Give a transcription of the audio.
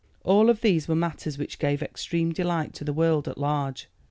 All of these were matters which gave extreme delight to the world at large.